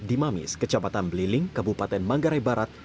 di mamis kecamatan beliling kabupaten manggarai barat